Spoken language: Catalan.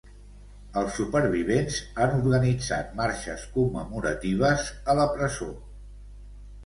Els supervivents han organitzat marxes commemoratives a la presó.